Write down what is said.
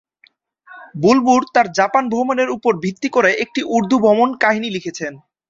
বুলবুল তাঁর জাপান ভ্রমণের উপর ভিত্তি করে একটি উর্দু ভ্রমণ কাহিনী লিখেছেন।